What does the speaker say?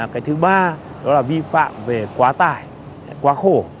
cái thứ ba đó là vi phạm về quá tải quá khổ